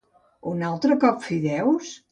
Un altre cop fideus?